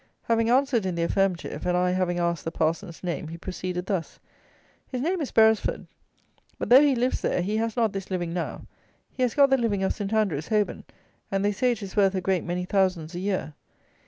Having answered in the affirmative, and I, having asked the parson's name, he proceeded thus: "His name is Beresford; but though he lives there, he has not this living now, he has got the living of St. Andrew's, Holborn; and they say it is worth a great many thousands a year.